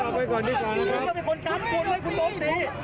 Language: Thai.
บ๊วยแคทธิ์อ